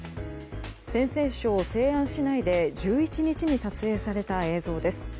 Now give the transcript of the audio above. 陝西省西安市内で１１日に撮影された映像です。